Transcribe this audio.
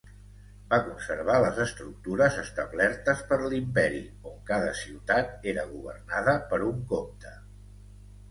Va conservar les estructures establertes per l'Imperi on cada ciutat era governada per un comte.